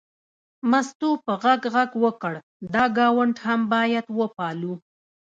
مستو په غږ غږ وکړ دا ګاونډ هم باید وپالو.